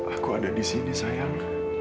aku ada di sini sayang